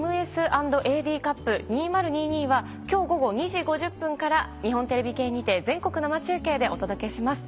「ＭＳ＆ＡＤカップ２０２２」は今日ごご２時５０分から日本テレビ系にて全国生中継でお届けします。